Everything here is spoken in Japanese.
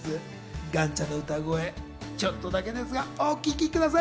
岩ちゃんの歌声、ちょっとだけですがお聴きください。